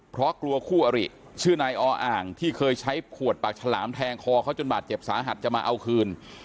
เพราะกลัวคู่อริชื่อนายออ่างที่เคยใช้ขวดปากฉลามแทงคอเขาจนบาดเจ็บสาหัสจะมาเอาคืน